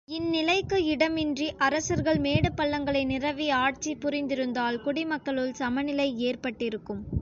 இந்நிலைக்கு இடமின்றி, அரசர்கள் மேடு பள்ளங்களை நிரவி ஆட்சி புரிந்திருந்தால் குடிமக்களுள் சமநிலை ஏற்பட்டிருக்கும்.